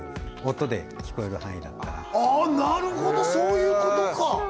音で聴こえる範囲だったらなるほどそういうことか！